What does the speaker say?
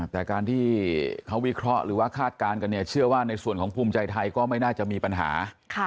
แต่การที่เขาวิเคราะห์หรือว่าคาดการณ์กันเนี่ยเชื่อว่าในส่วนของภูมิใจไทยก็ไม่น่าจะมีปัญหา